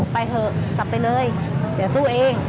ไปเถอะกลับไปเลยเดี๋ยวสู้เอง